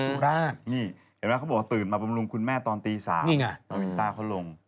ราชนี่เห็นไหมเขาบอกว่าตื่นมาบำรุงคุณแม่ตอนตี๓นี่ไงตอนวินต้าเขาลง